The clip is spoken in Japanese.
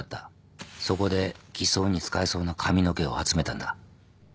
そこで偽装に使えそうな髪の毛を集めたんだ。